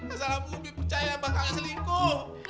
asal aku mi percaya bakal selingkuh